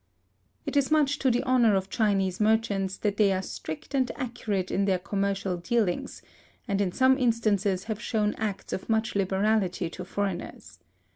It is much to the honor of Chinese merchants, that they are strict and accurate in their commercial dealings, and in some instances have shewn acts of much liberality to foreigners.